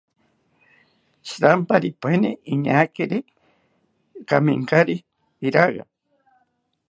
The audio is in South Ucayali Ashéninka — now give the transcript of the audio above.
Shiramparipaeni iñaakiri kaminkari iraga